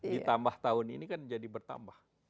ditambah tahun ini kan jadi bertambah